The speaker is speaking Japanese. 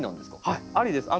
はいありです。